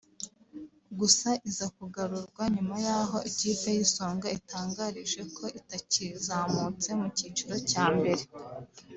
gusa iza kugarurwa nyuma y’aho ikipe y’Isonga itangarije ko itakizamutse mu cyiciro cya mbere